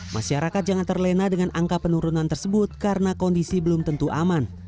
masyarakat jangan terlena dengan angka penurunan tersebut karena kondisi belum tentu aman